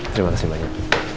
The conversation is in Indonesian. terima kasih banyak